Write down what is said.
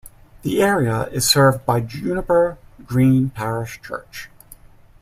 The area is served by Juniper Green parish church.